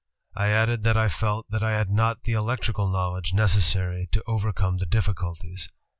... I added that I felt that I had not the electrical knowledge necessary to overcome the difl&culties.